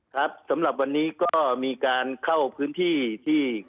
ครับสำหรับวันนี้ก็มีการเข้าพื้นที่ที่